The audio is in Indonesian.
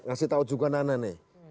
kasih tahu juga nana nih